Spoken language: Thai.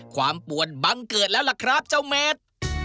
ความปวดบังเกิดแล้วนะครับเจ้าแม็ต